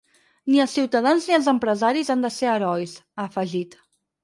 Ni els ciutadans ni els empresaris han de ser herois, ha afegit.